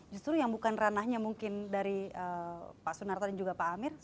justru yang bukan ranahnya mungkin dari pak sunarto dan juga pak amir